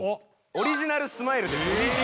「オリジナルスマイル」